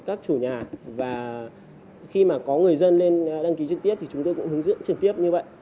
các chủ nhà và khi mà có người dân lên đăng ký trực tiếp thì chúng tôi cũng hướng dẫn trực tiếp như vậy